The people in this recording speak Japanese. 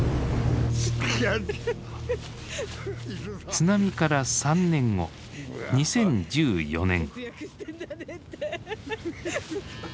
津波から３年後２０１４年。